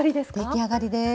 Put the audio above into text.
出来上がりです。